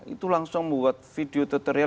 itu langsung membuat video tutorial